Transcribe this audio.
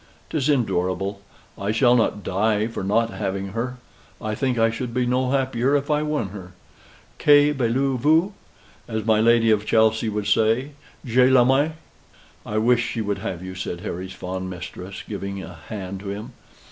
'Tis endurable. I shall not die for not having her. I think I should be no happier if I won her. Que voulez vous? as my Lady of Chelsey would say. Je l'aime." "I wish she would have you," said Harry's fond mistress, giving a hand to him.